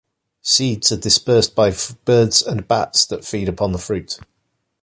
Seeds are dispersed by birds and bats that feed upon the fruit.